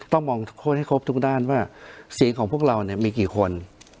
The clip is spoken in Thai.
ต้องมองทุกคนให้ครบทุกด้านว่าเสียงของพวกเราเนี่ยมีกี่คน